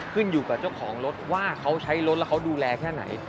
ขึ้นอยู่กับเจ้าของรถว่าเขาใช้รถแล้วเขาดูแลแค่ไหน